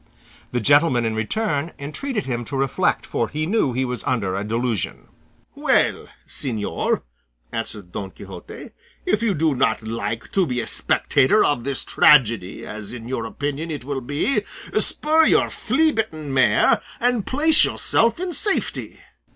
The gentleman in return entreated him to reflect, for he knew he was under a delusion. "Well, señor," answered Don Quixote, "if you do not like to be a spectator of this tragedy, as in your opinion it will be, spur your flea bitten mare, and place yourself in safety."